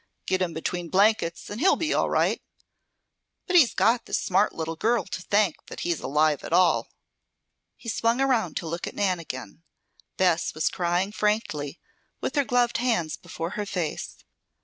"Get him between blankets and he'll be all right. But he's got this smart little girl to thank that he's alive at all." He swung around to look at Nan again. Bess was crying frankly, with her gloved hands before her face.